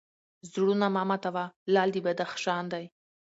زړونه مه ماتوه لعل د بدخشان دی